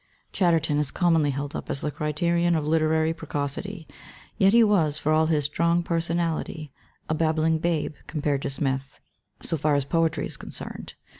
Chatterton is commonly held up as the criterion of literary precocity; yet he was, for all his strong personahty, a babbling babe compared to Smith, so ^ as poetry is concerned.